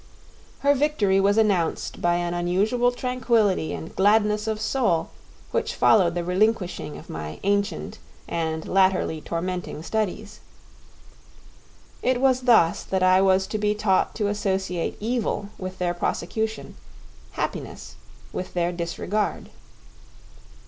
Her victory was announced by an unusual tranquillity and gladness of soul which followed the relinquishing of my ancient and latterly tormenting studies. It was thus that I was to be taught to associate evil with their prosecution, happiness with their disregard.